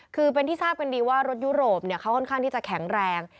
คือเป็นที่ทราบกันดีว่ารถยุโรปเขาค่อนข้างที่จะแข็งแรง